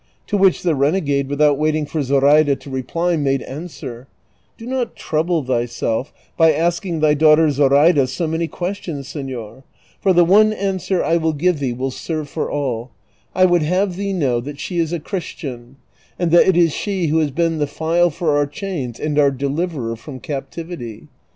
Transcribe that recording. To which the renegade, without waiting for Zoraida to reply, made answer, " Do not trouble thyself by asking thy daughter Zoraida so many questions, seiior, for the one answer 1 will give thee will serve for all ; I would have thee know that she is a Chris tian, and that it is she who has been the tile for our chains and our deliverer from captivity.